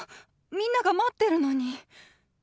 みんなが待ってるのに。